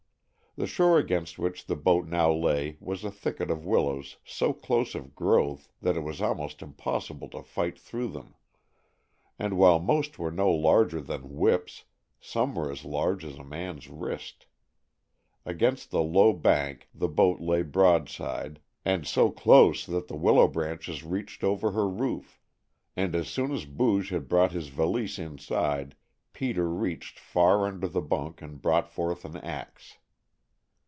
The shore against which the boat now lay was a thicket of willows so close of growth that it was almost impossible to fight through them, and while most were no larger than whips some were as large as a man's wrist. Against the low bank the boat lay broadside and so close that the willow branches reached over her roof, and as soon as Booge had brought his valise inside Peter reached far under the bunk and brought forth an ax.